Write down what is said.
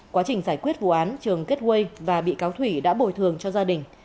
quá trình giải quyết vụ án trường kết quây và bị cáo thủy đã bồi thường cho gia đình